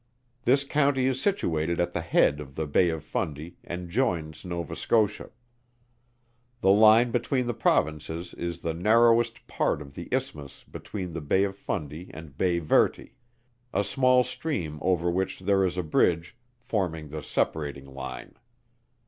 This County is situated at the head of the Bay of Fundy, and joins Nova Scotia. The line between the Provinces is the narrowest part of the isthmus between the Bay of Fundy and Bay Verte. A small stream over which there is a bridge forming the separating line.